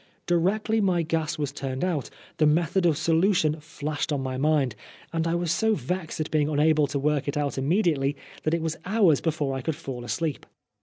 Directly my gas was turned out the method of solution flashed on my mind, and I was so vexed at being unable to work it out immediately that it was hours before I could fall asleep.